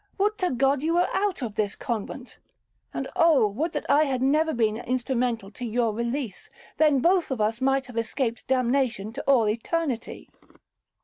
Would to God you were out of this convent;—and O! would that I had never been instrumental to your release, then both of us might have escaped damnation to all eternity.'